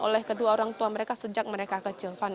oleh kedua orang tua mereka sejak mereka kecil